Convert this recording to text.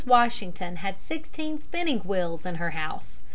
Washington had sixteen spinning wheels in her house.